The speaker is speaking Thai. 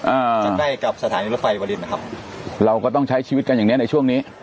ใกล้ใกล้กับสถานีรถไฟวรินนะครับเราก็ต้องใช้ชีวิตกันอย่างเนี้ยในช่วงนี้